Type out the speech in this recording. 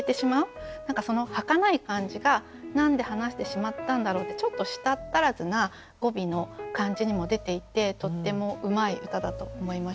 何かはかない感じが「なんで話してしまったんだろ」ってちょっと舌っ足らずな語尾の感じにも出ていてとってもうまい歌だと思いました。